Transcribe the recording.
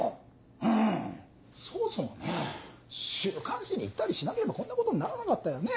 うんそもそもね週刊誌に言ったりしなければこんなことにならなかったよねぇ